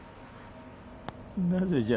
なぜじゃ？